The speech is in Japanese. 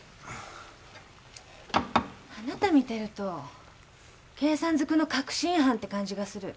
あなた見てると計算ずくの確信犯って感じがする。